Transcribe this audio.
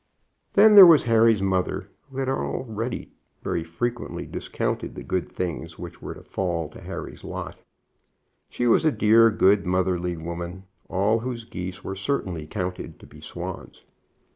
Then there was Harry's mother, who had already very frequently discounted the good things which were to fall to Harry's lot. She was a dear, good, motherly woman, all whose geese were certainly counted to be swans.